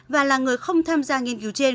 và là người không tham gia nghiên cứu trên